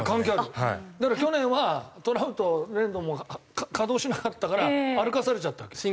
だから去年はトラウトレンドンも稼働しなかったから歩かされちゃったわけよ。